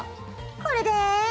これで。